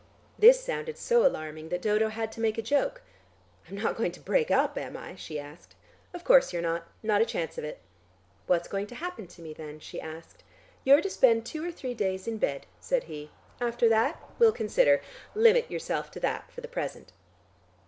This sounded so alarming that Dodo had to make a joke. "I'm not going to break up, am I?" she asked. "Of course you're not. Not a chance of it." "What's to happen to me then?" she asked. "You're to spend two or three days in bed," said he. "After that we'll consider. Limit yourself to that for the present."